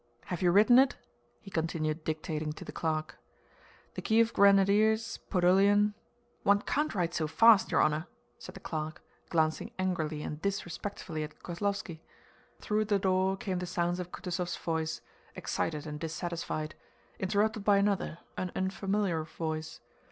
have you written it?" he continued dictating to the clerk. "The Kiev Grenadiers, Podolian..." "One can't write so fast, your honor," said the clerk, glancing angrily and disrespectfully at Kozlóvski. Through the door came the sounds of Kutúzov's voice, excited and dissatisfied, interrupted by another, an unfamiliar voice.